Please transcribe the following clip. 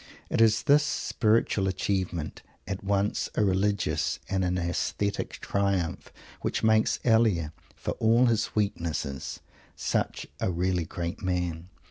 It is this spiritual achievement at once a religious and an aesthetic triumph that makes Elia, for all his weaknesses, such a really great man.